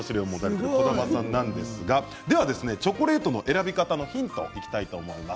ではチョコレートの選び方のヒントいきたいと思います。